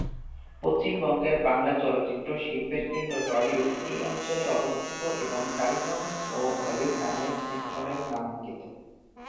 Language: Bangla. পশ্চিমবঙ্গের বাংলা চলচ্চিত্র শিল্পের কেন্দ্র টলিউড এই অঞ্চলে অবস্থিত এবং টালিগঞ্জ ও হলিউড নামের মিশ্রণে নামাঙ্কিত।